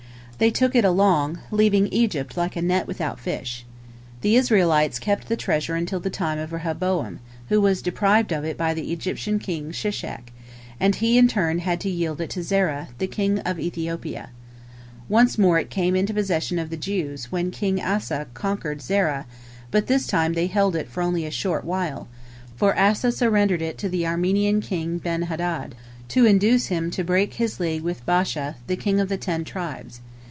They took it along, leaving Egypt like a net without fish. The Israelites kept the treasure until the time of Rehoboam, who was deprived of it by the Egyptian king Shishak, and he in turn had to yield it to Zerah, the king of Ethiopia. Once more it came into possession of the Jews when King Asa conquered Zerah, but this time they held it for only a short while, for Asa surrendered it to the Aramean king Ben hadad, to induce him to break his league with Baasha, the king of the Ten Tribes.